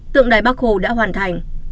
tượng đài bác hồ đã hoàn thành